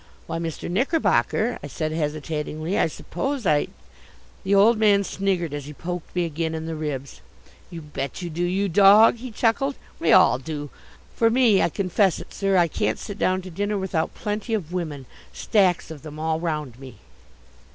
"Why, Mr. Knickerbocker," I said hesitatingly, "I suppose I " The old man sniggered as he poked me again in the ribs. "You bet you do, you dog!" he chuckled. "We all do. For me, I confess it, sir, I can't sit down to dinner without plenty of women, stacks of them, all round me."